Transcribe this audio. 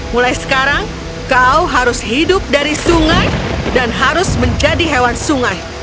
mulai sekarang kau harus hidup dari sungai dan harus menjadi hewan sungai